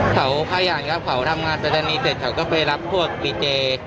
เขาพยายามเขาทำงานประจำนี้เสร็จเขาก็ไปรับพวกดีเจ